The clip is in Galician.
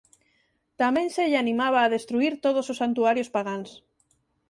Tamén se lle animaba a destruír todos os santuarios pagáns.